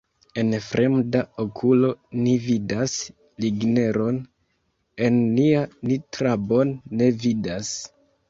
En fremda okulo ni vidas ligneron, en nia ni trabon ne vidas.